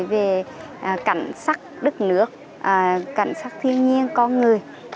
về cảnh sắc đất nước cảnh sắc thiên nhiên con người